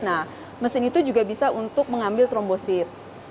nah mesin itu juga bisa untuk mengambil trombosit